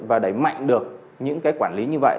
và đẩy mạnh được những cái quản lý như vậy